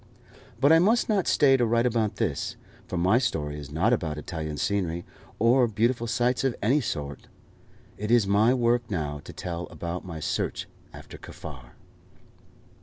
But I must not stay to write about this, for my story is not about Italian scenery, or beautiful sights of any sort. It is my work now to tell about my search after Kaffar.